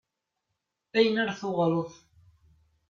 Ayen ara tuɣaleḍ?